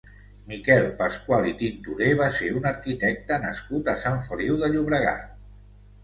Miquel Pascual i Tintorer va ser un arquitecte nascut a Sant Feliu de Llobregat.